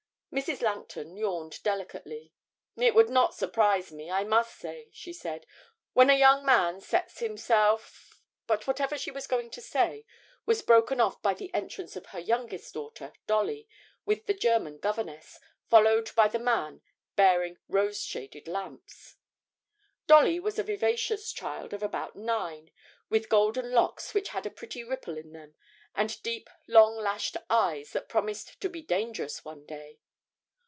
Mrs. Langton yawned delicately. 'It would not surprise me, I must say,' she said. 'When a young man sets himself ' but whatever she was going to say was broken off by the entrance of her youngest daughter Dolly, with the German governess, followed by the man bearing rose shaded lamps. Dolly was a vivacious child of about nine, with golden locks which had a pretty ripple in them, and deep long lashed eyes that promised to be dangerous one day.